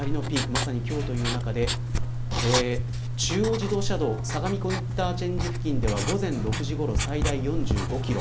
まさに今日、という中で中央自動車道相模湖インターチェンジ付近では午前６時ごろ、最大４５キロ。